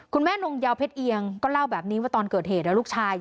นงยาวเพชรเอียงก็เล่าแบบนี้ว่าตอนเกิดเหตุลูกชาย